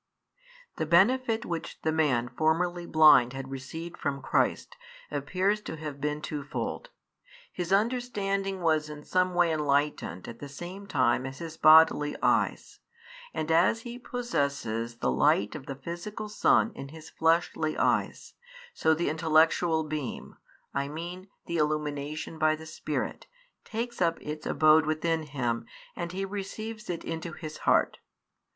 The benefit which the man formerly blind had received from Christ appears to have been twofold: his understanding was in some way enlightened at the same time as his bodily eyes, and as he possesses the, light of the physical sun in his fleshly eyes, so the intellectual beam, I mean the illumination by the Spirit, takes up its abode |39 within him, and he receives it into his heart.